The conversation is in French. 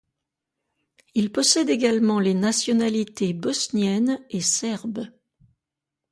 Il possède également les nationalités bosnienne et serbe.